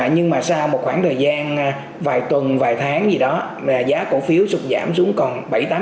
nhưng mà sau một khoảng thời gian vài tuần vài tháng gì đó giá cổ phiếu sụt giảm xuống còn bảy tám